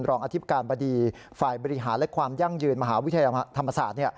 รองอธิการบดีฝ่ายบริหารและความยั่งยืนมหาวิทยาลัยธรรมศาสตร์